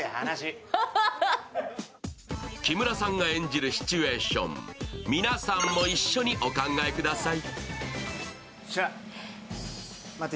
木村さんが演じるシチュエーション、皆さんも一緒にお考えください。